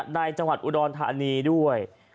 ในจังหวัดอุดรธานีด้วย